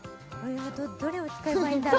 どれを使えばいいんだ！？